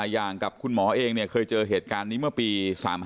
อย่างกับคุณหมอเองเคยเจอเหตุการณ์นี้เมื่อปี๓๕